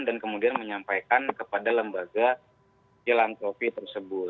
dan kemudian menyampaikan kepada lembaga filantropi tersebut